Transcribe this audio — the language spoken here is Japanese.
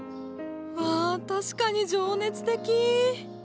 わあ確かに情熱的！